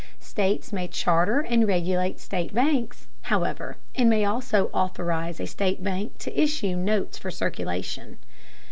States may charter and regulate state banks, however, and may also authorize a state bank to issue notes for circulation.